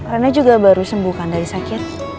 rena juga baru sembuhkan dari sakit